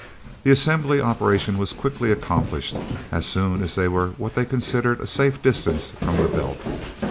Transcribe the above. The assembly operation was quickly accomplished, as soon as they were what they considered a safe distance from the Belt.